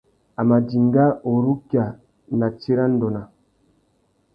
A mà dinga urukia a nà tsirândone.